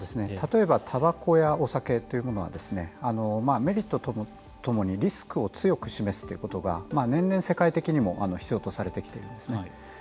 例えば、たばこやお酒というものはメリットとともにリスクを強く示すということが年々世界的にも必要とされてきていますね。